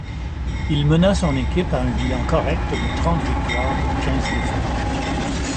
Il mena son équipe à un bilan correct de trente victoires pour quinze défaites.